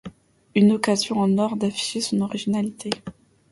Une occasion en or d'afficher son originalité.